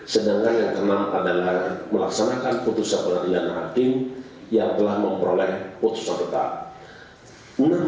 sedangkan yang keenam adalah melaksanakan putusan pengadilan hakim yang telah memperoleh putusan tetap